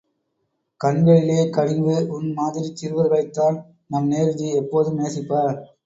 கண்களிலே கனிவு, உன் மாதிரிச் சிறுவர்களைத்தான் நம் நேருஜி எப்போதுமே நேசிப்பார்.